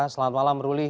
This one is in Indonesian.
selamat malam ruli